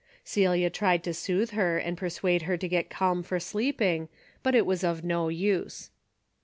Celia tried to soothe her and persuade her to get calm for sleeping, but it was of no use.